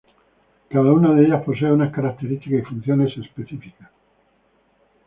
Cada una de ellas posee unas característica y funciones específicas.